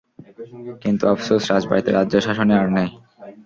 কিন্তু আফসোস রাজবাড়িতে রাজ্য শাসনই আর নেই।